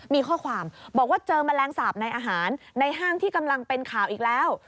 มีข้อความบอกว่าเจอแมลงสาปในอาหารในห้างที่กำลังเป็นข่าวอีกแล้ว